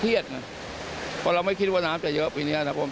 เครียดนะเพราะเราไม่คิดว่าน้ำจะเยอะแบบนี้นะครับ